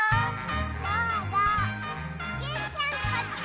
どうぞジュンちゃんこっち！